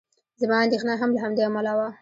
زما اندېښنه هم له همدې امله وه.